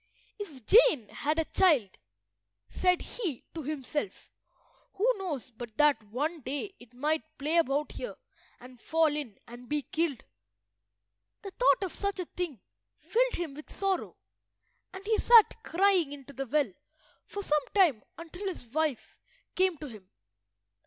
"If Jane had a child," said he to himself, "who knows but that one day it might play about here and fall in and be killed?" The thought of such a thing filled him with sorrow, and he sat crying into the well for some time until his wife came to him.